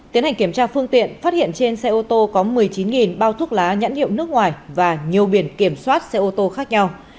tiến hành kiểm tra phương tiện phát hiện trên xe ô tô có một mươi chín bao thuốc lá nhãn hiệu nước ngoài và nhiều biển kiểm soát xe ô tô khác nhau